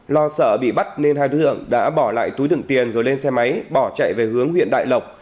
lo sợ bị bắt nên hai đối tượng đã bỏ lại túi đựng tiền rồi lên xe máy bỏ chạy về hướng huyện đại lộc